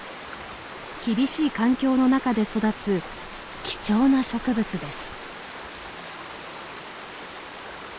厳しい環境の中で育つ貴重な植物です。